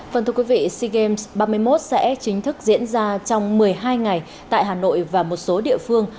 phần thưa quý vị sea games ba mươi một sẽ chính thức diễn ra trong một mươi hai ngày tại hà nội và một số địa phương